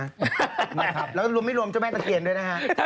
นะครับแล้วก็รวมไม่รวมแม่ตะเกียรด้วยนะฮะ